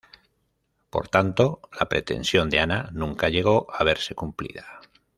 Por tanto, la pretensión de Ana nunca llegó a verse cumplida.